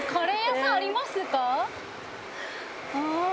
ああ。